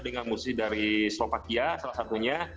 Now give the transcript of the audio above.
dengan musi dari slovakia salah satunya